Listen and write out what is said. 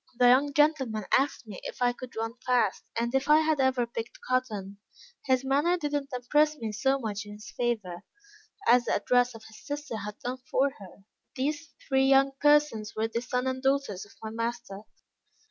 The young gentleman asked me if I could run fast, and if I had ever picked cotton. His manner did not impress me so much in his favor, as the address of his sister had done for her. These three young persons were the son and daughters of my master.